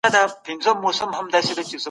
اسلام د نورو د حقونو ساتنه واجب ګڼي.